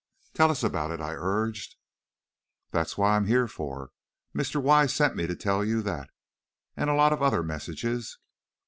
"Tell us about it," I urged. "That's what I'm here for. Mr. Wise sent me to tell you that, and a lot of other messages.